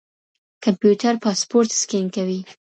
کمپيوټر پاسپورټ سکېن کوي.